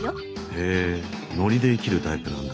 へえノリで生きるタイプなんだ。